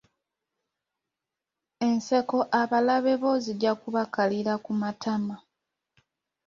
Enseko abalabe bo zijja kubakalira ku matama.